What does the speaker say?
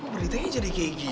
kok beritanya jadi kayak gini sih